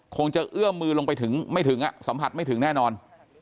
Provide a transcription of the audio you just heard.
คงจะเอื้อมมือลงไปถึงไม่ถึงสัมผัสไม่ถึงแน่นอน